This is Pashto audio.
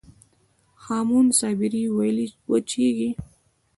هامون صابري ولې وچیږي؟